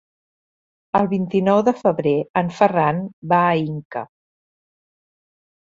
El vint-i-nou de febrer en Ferran va a Inca.